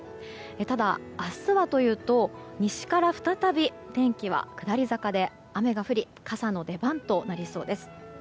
ただ、明日はというと西から再び天気は下り坂で雨が降り傘の出番となりそうです。